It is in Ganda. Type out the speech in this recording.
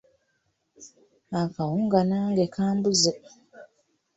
Akawunga nage kambuze.